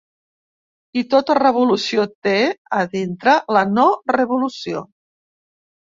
I tota revolució té, a dintre, la no-revolució.